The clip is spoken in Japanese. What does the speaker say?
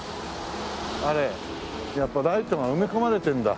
やっぱライトが埋め込まれてんだ。